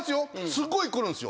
すっごい来るんすよ。